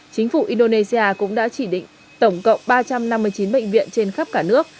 chính phủ indonesia cũng đã chỉ định tổng cộng ba trăm năm mươi chín bệnh viện trên khắp cả nước